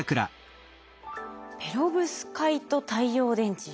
ペロブスカイト太陽電池。